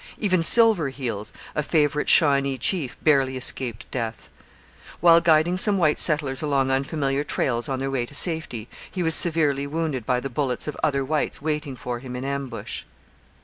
Even Silver Heels, a favourite Shawnee chief, barely escaped death. While guiding some white settlers along unfamiliar trails on their way to safety, he was severely wounded by the bullets of other whites waiting for him in ambush.